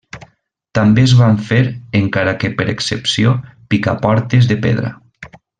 També es van fer, encara que per excepció, picaportes de pedra.